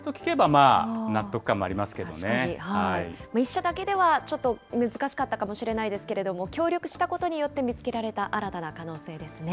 １社だけではちょっと難しかったかもしれないですけど、協力したことによって見つけられた新たな可能性ですね。